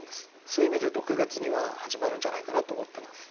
そういう意味で６月には始まるんじゃないかなと思ってます。